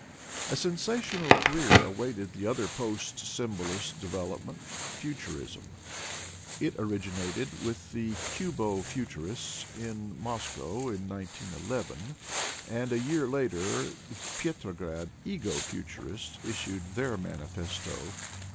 A sensational career awaited the other post symbolist f development, futurism. It originated with the cubo ( futurists in Moscow in 191 1 and a year later the Petro grad ego futurists issued their manifesto.